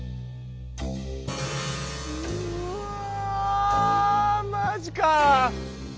うわマジかあ。